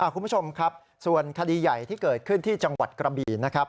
คุณผู้ชมครับส่วนคดีใหญ่ที่เกิดขึ้นที่จังหวัดกระบี่นะครับ